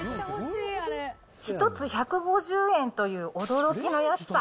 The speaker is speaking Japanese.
１つ１５０円という驚きの安さ。